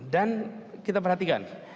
dan kita perhatikan